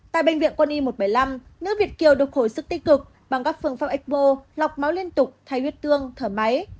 tại bệnh viện quân y một trăm bảy mươi năm nữ việt kiều được hồi sức tích cực bằng các phương pháp expo lọc máu liên tục thay huyết tương thở máy